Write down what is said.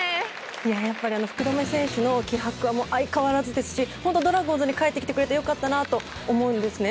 やっぱり福留選手の気迫は相変わらずですしドラゴンズに帰ってきてくれて良かったなと思うんですね。